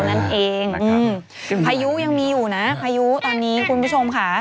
นั่นเองไพรูยังมีอยู่นะไพรูคุณผู้ชมคะ